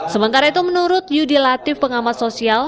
sementara itu menurut yudi latif pengamat sosial